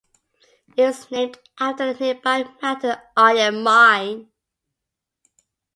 It was named after the nearby Mountain Iron Mine.